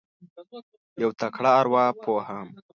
یو تکړه اروا پوه هم